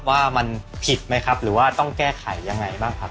ว่ามันผิดไหมครับหรือว่าต้องแก้ไขยังไงบ้างครับ